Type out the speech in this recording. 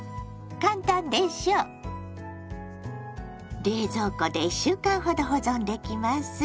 簡単でしょ⁉冷蔵庫で１週間ほど保存できます。